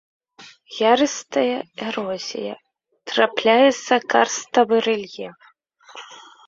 Ярыстая эрозія, трапляецца карставы рэльеф.